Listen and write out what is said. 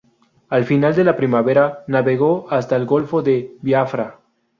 Al final de la primavera, navegó hasta el golfo de Biafra.